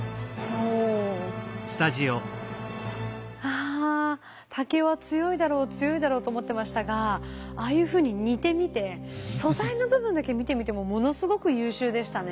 あ竹は強いだろう強いだろうと思ってましたがああいうふうに煮てみて素材の部分だけ見てみてもものすごく優秀でしたね。